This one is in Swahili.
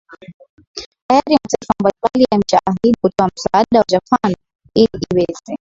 tayari mataifa mbalimbali yamesha ahidi kutoa msaada kwa japan ili iweze